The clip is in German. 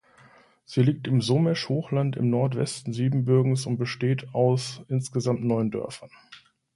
Sie liegt im Somesch-Hochland im Nordwesten Siebenbürgens und besteht aus insgesamt neun Dörfern.